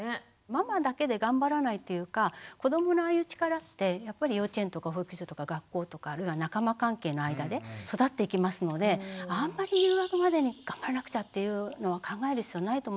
ママだけで頑張らないっていうか子どものああいう力ってやっぱり幼稚園とか保育所とか学校とかあるいは仲間関係の間で育っていきますのであんまり入学までに頑張らなくちゃっていうのは考える必要ないと思います。